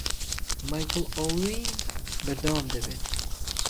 مایکل ئۆین بهردهوام دهبێت